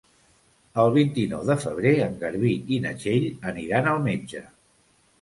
El vint-i-nou de febrer en Garbí i na Txell aniran al metge.